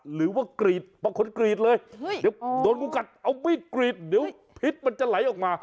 หรือว่ากรีดบางคนกรีดเลยเดี๋ยวโดนงูกัดเอามีดกรีดเดี๋ยวพิษมันจะไหลออกมา